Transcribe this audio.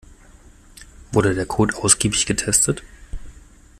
Wurde der Code ausgiebig getestet?